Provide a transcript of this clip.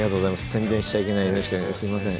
宣伝しちゃいけないＮＨＫですいません